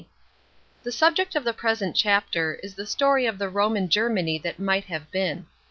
THE subject of the present chapter is the story of the Roman Germany that might have been.